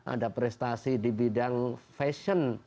ada prestasi di bidang fashion